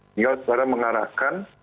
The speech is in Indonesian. tinggal secara mengarahkan